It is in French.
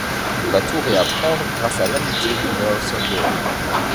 Il va tout réapprendre grâce à l'amitié de Merl Saunders.